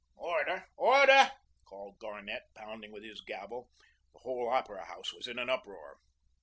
"Order, order," called Garnett, pounding with his gavel. The whole Opera House was in an uproar.